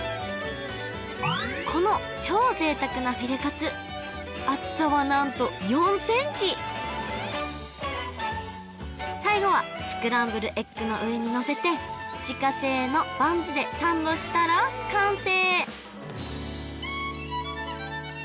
この超贅沢なフィレカツ何と最後はスクランブルエッグの上にのせて自家製のバンズでサンドしたら完成！